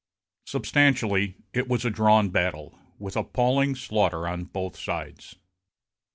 Substantially, it was a drawn battle, with appalling slaughter on both sides.